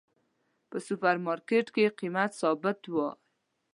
په سوپر مرکیټ کې قیمت ثابته وی